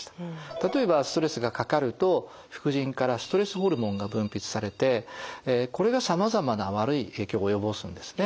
例えばストレスがかかると副腎からストレスホルモンが分泌されてこれがさまざまな悪い影響を及ぼすんですね。